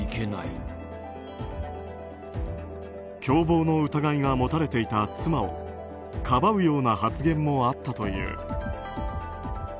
共謀の疑いが持たれていた妻をかばうような発言もあったという。